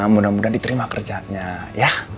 mudah mudahan diterima kerjaannya ya